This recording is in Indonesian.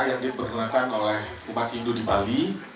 yang dipergunakan oleh umat hindu di bali